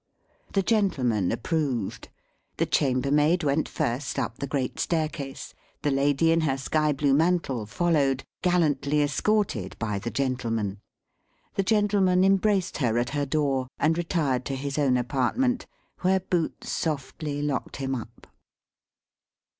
The gentleman approved; the chambermaid went first, up the great staircase; the lady, in her sky blue mantle, followed, gallantly escorted by the gentleman; the gentleman embraced her at her door, and retired to his own apartment, where Boots softly locked him up.